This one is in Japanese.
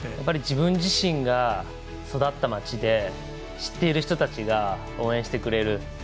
自分自身が育った町で知っている人たちが応援してくれる。